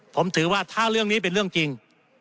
ผมถือว่าถ้าเรื่องนี้เป็นเรื่องจริง